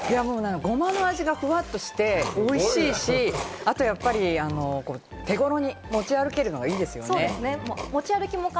ごまの味がふわっとしておいしいし、あと手頃に持ち歩けるのがいいですね。